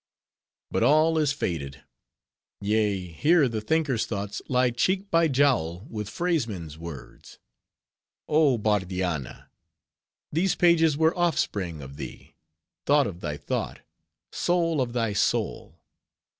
— But all is faded. Yea, here the Thinker's thoughts lie cheek by jowl with phrasemen's words. Oh Bardianna! these pages were offspring of thee, thought of thy thought, soul of thy soul.